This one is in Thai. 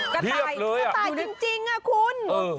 กระต่ายจริงคุณ